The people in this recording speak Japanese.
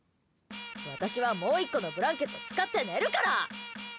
私はもう１個のブランケット使って寝るから！